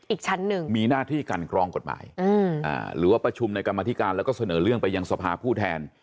อีกชั้นหนึ่งมีหน้าที่กันกรองกฎหมายหรือว่าประชุมในกรรมธิการแล้วก็เสนอเรื่องไปยังสภาผู้แทน